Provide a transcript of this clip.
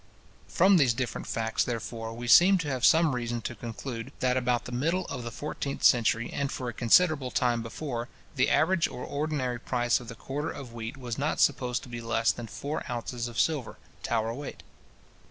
From these different facts, therefore, we seem to have some reason to conclude that, about the middle of the fourteenth century, and for a considerable time before, the average or ordinary price of the quarter of wheat was not supposed to be less than four ounces of silver, Tower weight.